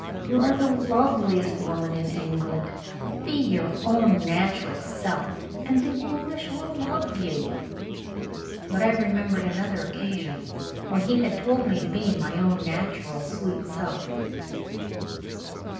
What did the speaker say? You are the loveliest woman in England. Be your own natural self and the English will love you." But I remembered another occasion when he had told me to be my own natural sweet self.